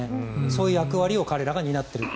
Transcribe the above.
そういう役割を彼らが担っている。